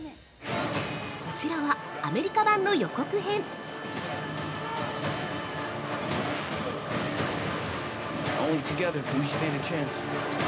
こちらはアメリカ版の予告編そう！